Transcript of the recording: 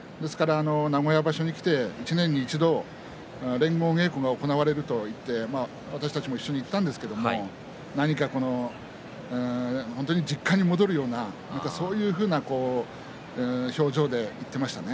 名古屋場所に来て一年に一度連合稽古が行われるといって私たちも一緒に行ったんですけれども本当に実家に戻るようなそういう表情で言ってましたね。